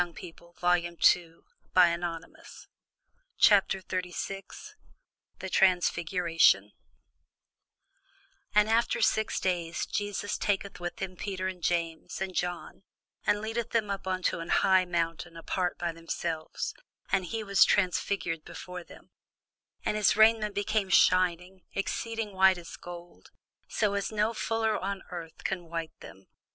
CHAPTER 36 THE TRANSFIGURATION [Sidenote: St. Mark 9] AND after six days Jesus taketh with him Peter, and James, and John, and leadeth them up into an high mountain apart by themselves: and he was transfigured before them. And his raiment became shining, exceeding white as snow; so as no fuller on earth can white them.